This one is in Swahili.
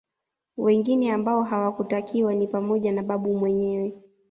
Wengine ambao hawakutakiwa ni pamoja na Babu mwenyewe